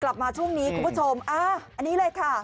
กลับมาช่วงนี้คุณผู้ชมอ่าอันนี้เลยค่ะ